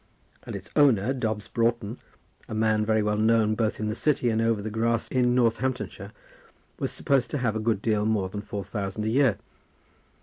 And its owner, Dobbs Broughton, a man very well known both in the City and over the grass in Northamptonshire, was supposed to have a good deal more than four thousand a year.